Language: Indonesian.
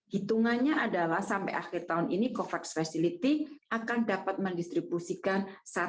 hitungannya adalah sampai akhir tahun ini covax facility akan dapat mendistribusikan